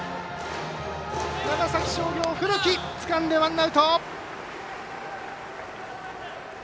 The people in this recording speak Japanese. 長崎商業、古木つかんで、ワンアウト。